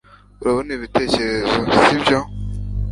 urabona igitekerezo, sibyo